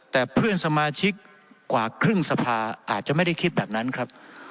แต่เพื่อนสมาชิกกว่าครึ่งสภาอาจจะไม่ได้คิดแบบนั้นครับ